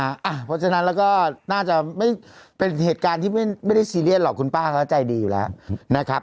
เพราะฉะนั้นแล้วก็น่าจะเป็นเหตุการณ์ที่ไม่ได้ซีเรียสหรอกคุณป้าเขาใจดีอยู่แล้วนะครับ